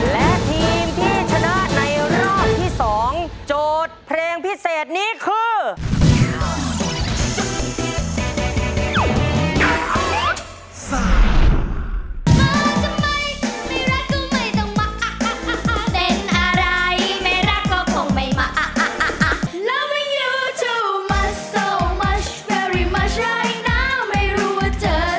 และทีมที่ชนะในรอบที่๒โจทย์เพลงพิเศษนี้คือ